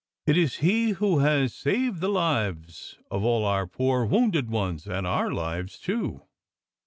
" It is he who has saved the lives of all our poor wounded ones, and our lives, too.